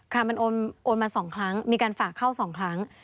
ค่ะมันโอนมา๒ครั้งมีการฝากเข้า๒ครั้ง